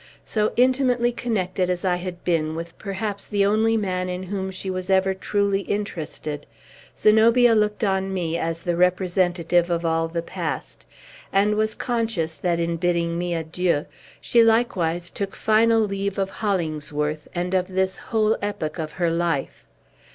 So intimately connected as I had been with perhaps the only man in whom she was ever truly interested, Zenobia looked on me as the representative of all the past, and was conscious that, in bidding me adieu, she likewise took final leave of Hollingsworth, and of this whole epoch of her life.